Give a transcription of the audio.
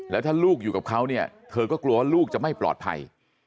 แล้วถ้าลูกอยู่กับเขาเนี่ยเธอก็กลัวว่าลูกจะไม่ปลอดภัย